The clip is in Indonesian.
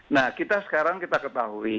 nah sekarang kita ketahui